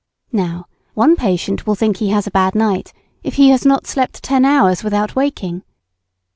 Now, one patient will think he has a bad night if he has not slept ten hours without waking.